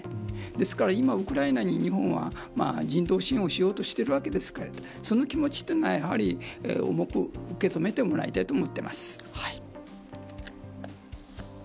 ですから今、ウクライナに日本は人道支援をしようとしているわけですからその気持ちというのは重く受け止めてもらいたいと思っています。